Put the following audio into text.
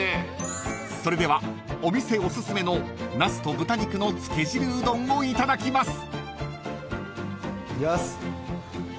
［それではお店おすすめの茄子と豚肉のつけ汁うどんをいただきます］